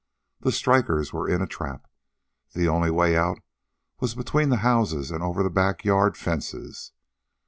The strikers were in a trap. The only way out was between the houses and over the back yard fences.